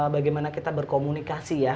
bagaimana kita berkomunikasi ya